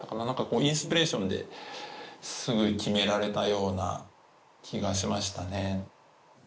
何かインスピレーションですぐ決められたような気がしましたね。